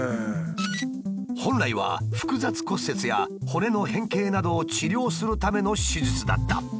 本来は複雑骨折や骨の変形などを治療するための手術だった。